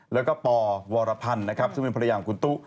แล้วก็ปวรพันธ์นะครับซึ่งเป็นภรรยาของคุณตุ๊